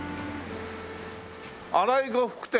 「荒井呉服店」